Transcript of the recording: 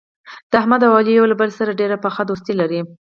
د احمد او علي یو له بل سره ډېره پخه دوستي لري.